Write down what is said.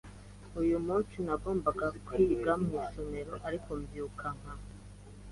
Uyu munsi, nagombaga kwiga mu isomero ariko mbyuka nka .